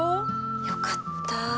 ☎よかった。